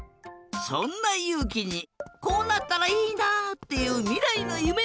そんなゆうきにこうなったらいいな！っていうみらいのゆめをきいてみよう！